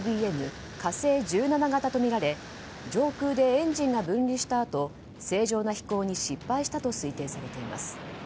「火星１７型」とみられ上空でエンジンが分離したあと正常な飛行に失敗したと推定されています。